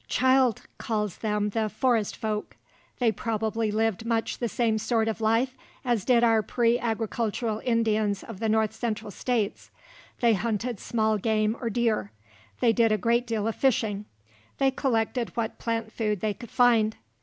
Childe calls them the "Forest folk"; they probably lived much the same sort of life as did our pre agricultural Indians of the north central states. They hunted small game or deer; they did a great deal of fishing; they collected what plant food they could find.